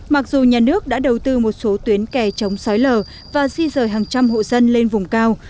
mặc dù nhà nước đã đầu tư một số tuyến kè chống xói lở và di rời hàng trăm hộ dân lên vùng cao